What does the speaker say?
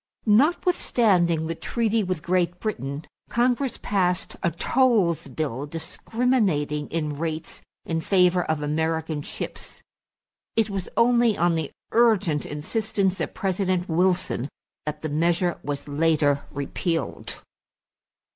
Notwithstanding the treaty with Great Britain, Congress passed a tolls bill discriminating in rates in favor of American ships. It was only on the urgent insistence of President Wilson that the measure was later repealed.